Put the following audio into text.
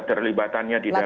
terlibatannya di dalam